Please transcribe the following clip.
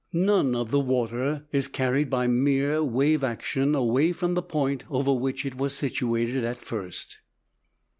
None of the water is carried by mere wave action away from the point over which it was situated at first.